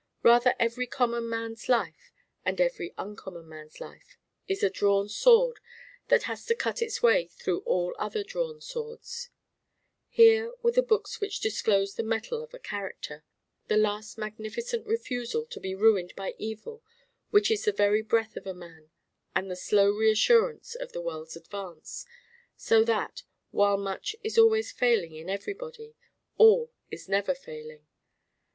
Rather every common man's life, and every uncommon man's life, is a drawn sword that has to cut its way through all other drawn swords. Here were the books which disclosed the mettle of a character: the last magnificent refusal to be ruined by evil which is the very breath of a man and the slow measure of the world's advance. So that, while much is always failing in everybody, all is never failing.